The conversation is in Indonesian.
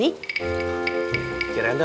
ininya tryin akout